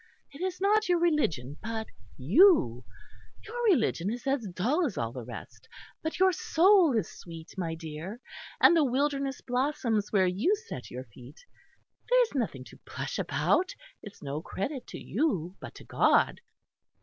"It is not your religion but you; your religion is as dull as all the rest. But your soul is sweet, my dear, and the wilderness blossoms where you set your feet. There is nothing to blush about. It's no credit to you, but to God."